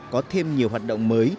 có thêm nhiều hoạt động mới